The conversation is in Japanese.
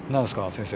先生。